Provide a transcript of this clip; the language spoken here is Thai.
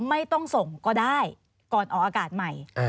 ไม่ต้องส่งก็ได้ก่อนออกอากาศใหม่